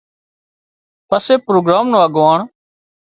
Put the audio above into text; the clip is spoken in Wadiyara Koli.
پسي پروگرام نو اڳواڻ